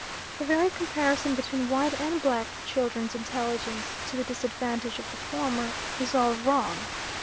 The very comparison between white and black children's intelligence to the disadvantage of the former is all wrong.